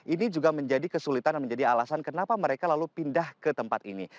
ini juga menjadi kesulitan dan menjadi alasan kenapa mereka lalu pindah ke tempat ini